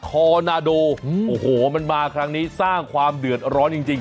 อนาโดโอ้โหมันมาครั้งนี้สร้างความเดือดร้อนจริง